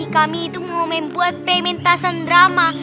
kami itu membuat pementasan drama